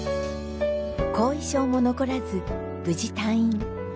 後遺症も残らず無事退院。